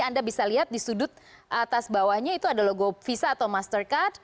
anda bisa lihat di sudut atas bawahnya itu ada logo visa atau mastercard